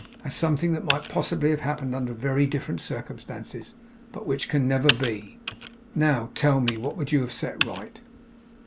As something that might possibly have happened under very different circumstances, but which can never be. Now, tell me. What would you have set right?